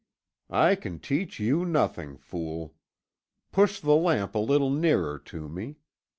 "I can teach you nothing, fool. Push the lamp a little nearer to me.